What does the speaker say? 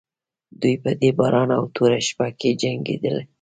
دوی په دې باران او توره شپه کې جنګېدل.